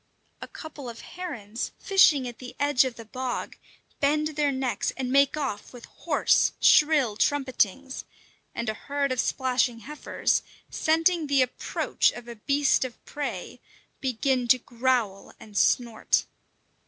A couple of herons, fishing at the edge of the bog, bend their necks and make off with hoarse, shrill trumpetings; and a herd of splashing heifers, scenting the approach of a beast of prey, begin to growl and snort.